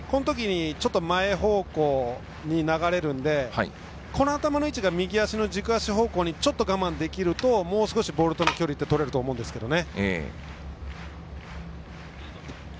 前方向に流れるので頭の位置が右足の軸足方向に我慢できると、もう少しボールとの距離がとれると思うんですけれどね。